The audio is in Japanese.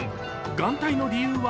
眼帯の理由は？